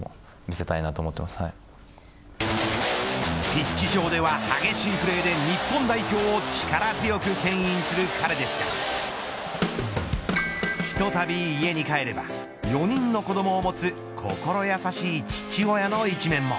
ピッチ上では激しいプレーで日本代表を力強くけん引する彼ですがひとたび家に帰れば４人の子どもを持つ心やさしい父親の一面も。